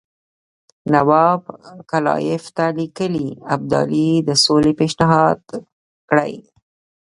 نواب کلایف ته لیکلي ابدالي د سولې پېشنهاد کړی.